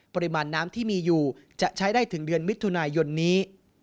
ปริมาณน้ำที่มีอยู่จะใช้ได้ถึงเดือนมิถุนายนนี้